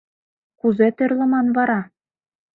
Кузе тӧрлыман вара?